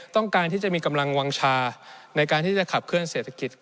ต้องการที่จะมีกำลังวางชาในการที่จะขับเคลื่อเศรษฐกิจ